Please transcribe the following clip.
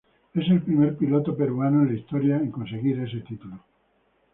Es el primer piloto peruano en la historia en conseguir ese título.